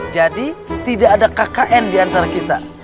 jadi tidak ada kkn di antara kita